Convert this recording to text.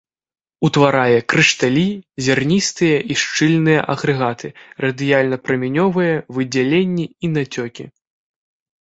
Утварае крышталі, зярністыя і шчыльныя агрэгаты, радыяльна-прамянёвыя выдзяленні і нацёкі.